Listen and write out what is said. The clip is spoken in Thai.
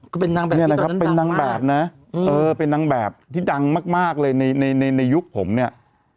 ก็เป็นนางแบบนี้ตอนนั้นเป็นนางแบบน่ะเออเป็นนางแบบที่ดังมากมากเลยในในในในในยุคผมเนี้ย